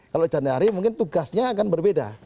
kalau januari mungkin tugasnya akan berbeda